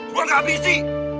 gua gak abisi